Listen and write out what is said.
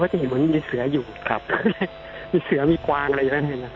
ว่าจะเห็นว่ามีเสืออยู่มีเสือมีกวางอะไรอยู่ในนั้น